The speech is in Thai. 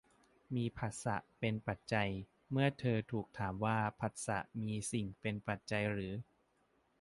มีผัสสะเป็นปัจจัย เมื่อเธอถูกถามว่าผัสสะมีสิ่งเป็นปัจจัยหรือ